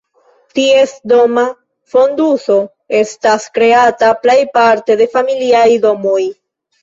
Ties doma fonduso estas kreata plejparte de familiaj domoj.